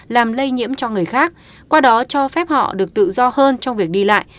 làm lây nhiễm cho người khác qua đó cho phép họ được tự do hơn trong việc đi lại